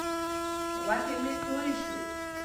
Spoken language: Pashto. غوښې مې تویې شوې.